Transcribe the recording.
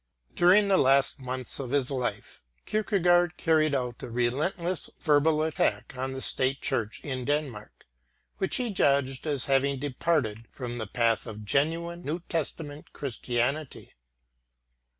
During the last months of his life, Kierkegaard carried out a relentless verbal attack on the state church in Denmark, which he judged as having departed from the path of genuine New Testament Christianity.